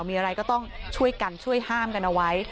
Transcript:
มีอะไรก็ต้องช่วยกันช่วยห้ามกันเอาไว้